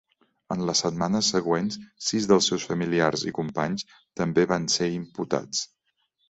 En les setmanes següents, sis dels seus familiars i companys també van ser imputats.